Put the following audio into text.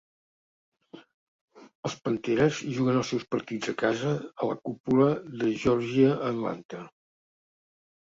Els Panteres juguen els seus partits a casa a la cúpula de Georgia a Atlanta.